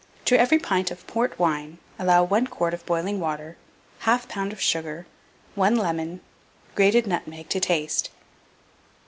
To every pint of port wine allow 1 quart of boiling water, 1/4 lb. of sugar, 1 lemon, grated nutmeg to taste.